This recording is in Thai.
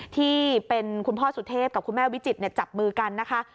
ที่เป็นคุณพ่อสุเทพกับคุณแม่วิจิตรจับมือกันนะคะ